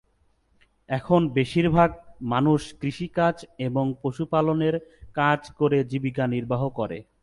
এখন বেশিরভাগ মানুষ কৃষিকাজ এবং পশু পালন এর কাজ করে জীবিকা নির্বাহ করে।